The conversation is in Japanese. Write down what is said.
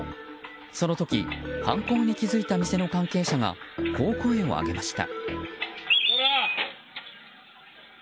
その時犯行に気付いた店の関係者がこう声を上げました。